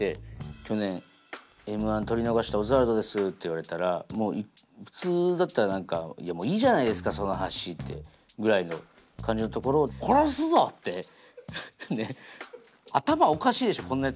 「去年Ｍー１取り逃したオズワルドです」って言われたら普通だったら何か「いやもういいじゃないですかその話」ぐらいの感じのところを「殺すぞ！」ってね頭おかしいでしょこんなやつ。